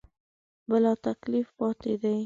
بلاتکلیف پاتې دي.